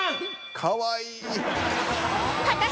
かわいい。